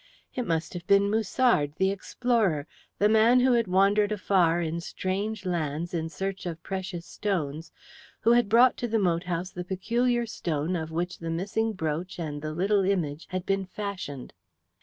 It must have been Musard, the explorer, the man who had wandered afar in strange lands in search of precious stones, who had brought to the moat house the peculiar stone of which the missing brooch and the little image had been fashioned.